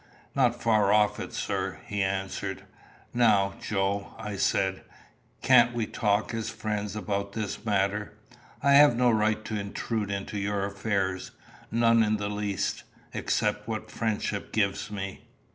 "Not far off it, sir," he answered. "Now, Joe," I said, "can't we talk as friends about this matter? I have no right to intrude into your affairs none in the least except what friendship gives me.